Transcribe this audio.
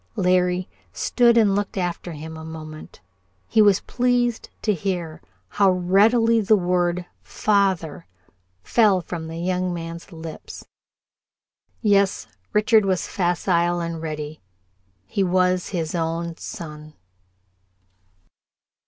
Larry stood and looked after him a moment. He was pleased to hear how readily the word, father, fell from the young man's lips. Yes, Richard was facile and ready. He was his own son.